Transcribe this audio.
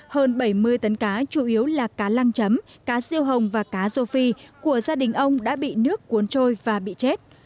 hơn bảy mươi tấn cá chủ yếu là cá lăng chấm cá siêu hồng và cá rô phi của gia đình ông đã bị nước cuốn trôi và bị chết